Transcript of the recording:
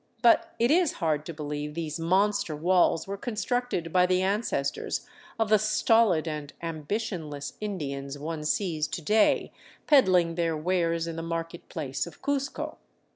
But it is hard to believe these monster walls were constructed by the ancestors of the stolid and ambitionless Indians one sees to day peddling their wares in the market place of Cuzco.